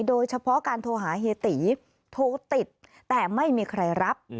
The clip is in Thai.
โดยเฉพาะการโทรหาเฮียตีโทรติดแต่ไม่มีใครรับ